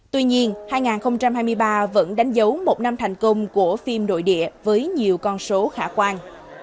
tuy nhiên hai nghìn hai mươi ba vẫn đánh dấu một năm thành công của phim nội địa với nhiều con số khả quan